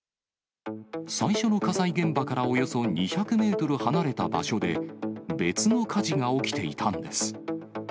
最初の火災現場からおよそ２００メートル離れた場所で、別の火事が起きていたんです。